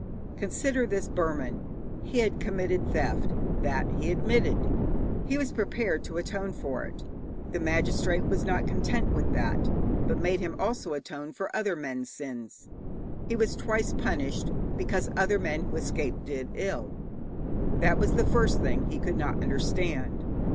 Consider this Burman. He had committed theft. That he admitted. He was prepared to atone for it. The magistrate was not content with that, but made him also atone for other men's sins. He was twice punished, because other men who escaped did ill. That was the first thing he could not understand.